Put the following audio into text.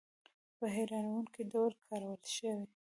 په هیرانوونکې ډول کارول شوي.